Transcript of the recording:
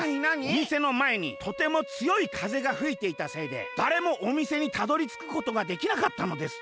「おみせのまえにとてもつよいかぜがふいていたせいでだれもおみせにたどりつくことができなかったのです。